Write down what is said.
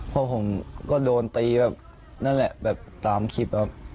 พ่อผมก็โดนตีแบบนั่นแหละแบบตามคลิปครับ